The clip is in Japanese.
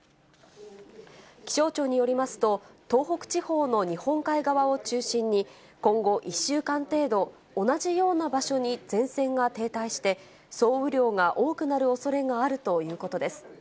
気象庁によりますと、東北地方の日本海側を中心に、今後１週間程度、同じような場所に前線が停滞して、総雨量が多くなるおそれがあるということです。